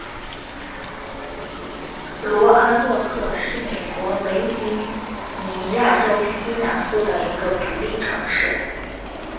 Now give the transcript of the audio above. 罗阿诺克是美国维吉尼亚州西南部的一个独立城市。